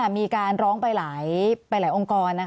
มีการร้องไปหลายองค์กร